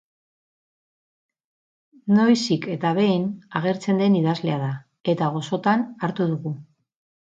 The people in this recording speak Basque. Noizik eta behin agertzen den idazlea da, eta gozotan hartu dugu.